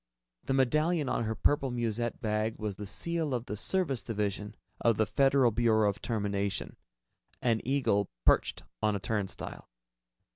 The medallion on her purple musette bag was the seal of the Service Division of the Federal Bureau of Termination, an eagle perched on a turnstile.